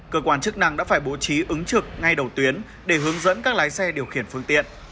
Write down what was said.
cơ quan chức năng đã phải bố trí ứng trực ngay đầu tuyến để hướng dẫn các lái xe điều khiển phương tiện